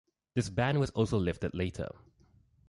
This ban was also lifted later.